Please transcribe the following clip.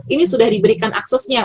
ini sudah diberikan aksesnya